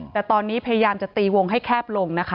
แต่ตอนนี้พยายามจะตีวงให้แคบลงนะคะ